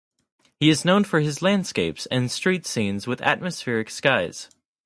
He is known for his landscapes and street scenes with atmospheric skies.